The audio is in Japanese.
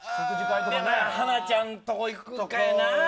ハナちゃんとこ行くかやな。